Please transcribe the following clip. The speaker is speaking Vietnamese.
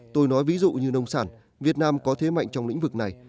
tôi nói ví dụ như nông sản việt nam có thế mạnh trong lĩnh vực này